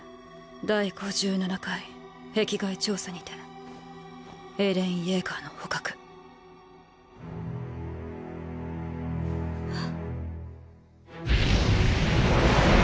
第５７回壁外調査にてエレン・イェーガーの捕獲ハァ。